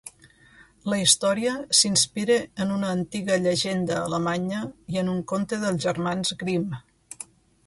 La història s'inspira en una antiga llegenda alemanya i en un conte dels Germans Grimm.